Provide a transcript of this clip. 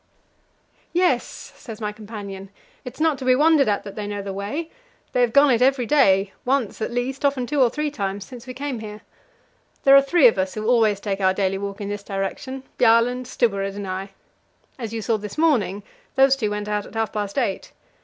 "Yes," says my companion, "it's not to be wondered at that they know the way. They have gone it every day once at least, often two or three times since we came here. There are three of us who always take our daily walk in this direction Bjaaland, Stubberud, and I. As you saw this morning, those two went out at half past eight.